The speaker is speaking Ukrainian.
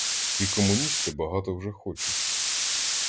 Ці комуністи багато вже хочуть!